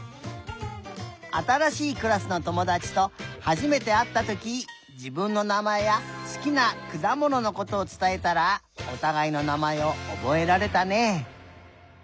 あたらしいクラスのともだちとはじめてあったときじぶんのなまえやすきなくだもののことをつたえたらおたがいのなまえをおぼえられたね。